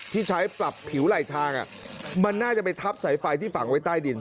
ที่ใช้ปรับผิวไหลทางมันน่าจะไปทับสายไฟที่ฝังไว้ใต้ดิน